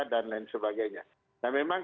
dan lain sebagainya nah memang